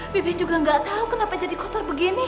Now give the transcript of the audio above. bebe juga gak tau kenapa jadi kotor begini